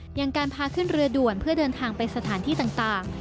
อย่างการพาขึ้นเรือด่วนเพื่อเดินทางไปสถานที่ต่าง